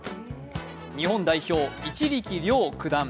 日本代表、一力遼九段。